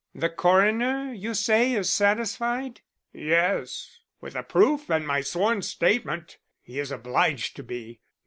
"The coroner, you say, is satisfied?" "Yes, with the proof and my sworn statement. He is obliged to be.